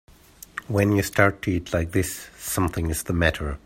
When you start to eat like this something is the matter.